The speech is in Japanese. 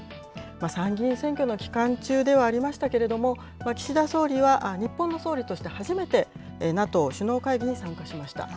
参議院選挙の期間中ではありましたけれども、岸田総理は日本の総理として初めて、ＮＡＴＯ首脳会議に参加しました。